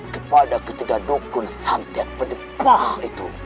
kepada ketiga dukun santet pedekah itu